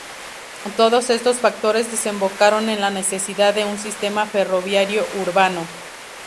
Todos estos factores desembocaron en la necesidad de un sistema ferroviario urbano.